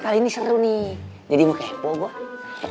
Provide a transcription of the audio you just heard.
kali ini seru nih jadi mau kepo gue